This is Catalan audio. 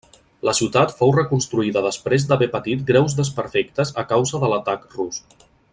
La ciutat fou reconstruïda després d'haver patit greus desperfectes a causa de l'atac rus.